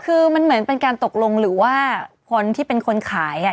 คือมันเหมือนเป็นการตกลงหรือว่าคนที่เป็นคนขายอ่ะ